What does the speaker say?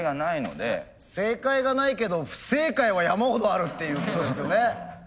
正解がないけど不正解は山ほどあるっていうことですよね。